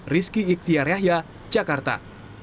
rizky iktiar yahya jakarta